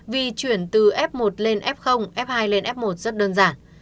vì chuyển từ f một lên f f hai lên f một rất đơn giản